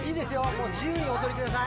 もう自由にお撮りください